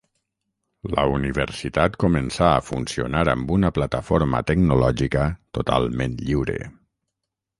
La universitat començà a funcionar amb una plataforma tecnològica totalment lliure.